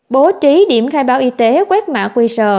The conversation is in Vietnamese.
bố trí điểm khai báo y tế quét mã qr